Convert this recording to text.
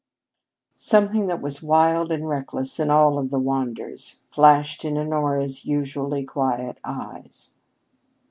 Something that was wild and reckless in all of the Wanders flashed in Honora's usually quiet eyes.